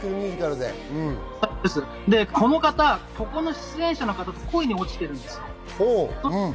この方、ここの出演者の方と恋に落ちてます。